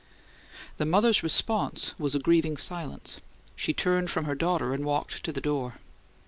The mother's response was a grieving silence; she turned from her daughter and walked to the door.